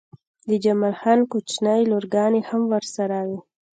د جمال خان کوچنۍ لورګانې هم ورسره وې